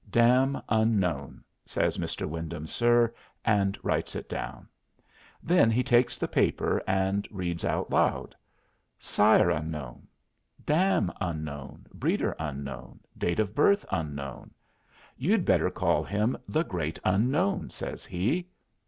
"Dam unknown," says "Mr. Wyndham, sir," and writes it down. Then he takes the paper and reads out loud: "'Sire unknown, dam unknown, breeder unknown, date of birth unknown.' You'd better call him the 'Great Unknown,'" says he.